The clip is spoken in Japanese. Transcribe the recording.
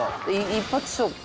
一発勝負。